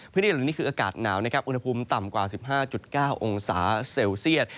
พื้นที่เหล่านี้คืออากาศหนาวนะครับอุณหภูมิต่ำกว่า๑๕๙องศาเซลเซียต